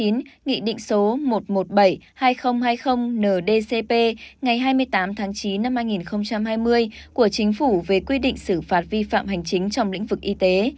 nghị định số một trăm một mươi bảy hai nghìn hai mươi ndcp ngày hai mươi tám tháng chín năm hai nghìn hai mươi của chính phủ về quy định xử phạt vi phạm hành chính trong lĩnh vực y tế